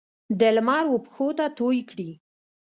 د لمر وپښوته توی کړي